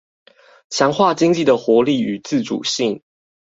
強化經濟的活力與自主性